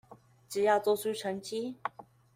只要做出成績